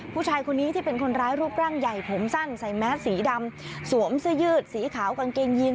ผู้ชายคนนี้ที่เป็นคนร้ายรูปร่างใหญ่ผมสั้นใส่แมสสีดำสวมเสื้อยืดสีขาวกางเกงยีน